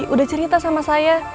udah cerita sama saya